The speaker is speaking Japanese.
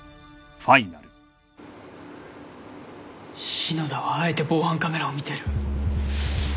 篠田はあえて防犯カメラを見てる。